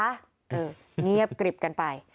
เออเงียบกริบกันไป